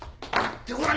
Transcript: ってこら！